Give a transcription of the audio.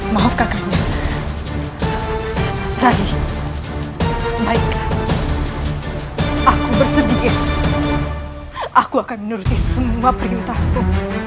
maaf kak rai baiklah aku bersedih aku akan meneruti semua perintahmu